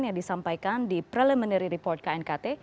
yang disampaikan di preliminary report knkt